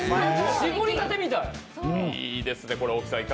絞りたてみたい！